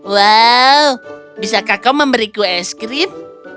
wow bisakah kau memberiku es krim